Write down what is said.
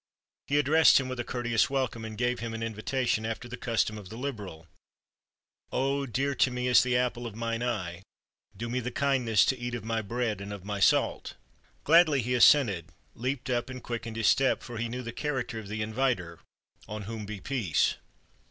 He addressed him with a courteous welcome, and gave him an invita tion after the custom of the liberal :" 0 dear to me as the 387 PERSIA apple of mine eye, do me the kindness to eat of my bread and of my salt." Gladly he assented, leaped ,up, and quickened^his step, for he knew the character of the inviter — on whom be peace